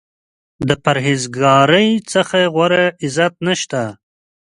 د پرهیز ګارۍ څخه غوره عزت نشته.